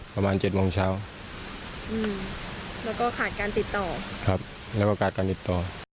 ครับแล้วก็ขาดการติดต่อ